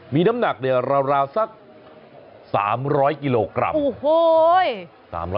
มีน้ำหนักราบซัก๓๐๐กิโลกรัม